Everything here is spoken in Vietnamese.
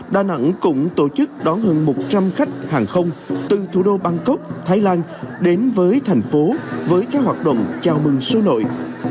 đà nẵng cũng tổ chức đón hơn một trăm linh khách hàng không từ thủ đô bangkok thái lan đến với thành phố với các hoạt động chào mừng số nội